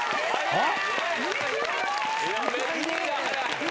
えっ？